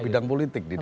itu tugas utamanya